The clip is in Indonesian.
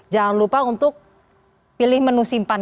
jangan lupa untuk pilih menu simpan